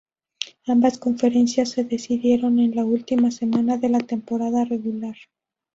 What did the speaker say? Ambas conferencias se decidieron en la última semana de la temporada regular.